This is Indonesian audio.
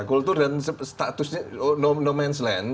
kultur dan statusnya no man's land